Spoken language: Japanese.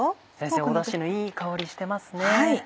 先生ダシのいい香りしてますね。